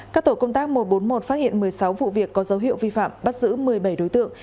các tổ công tác một trăm bốn mươi một phát hiện một mươi sáu vụ việc có dấu hiệu vi phạm bắt giữ một mươi bảy đối tượng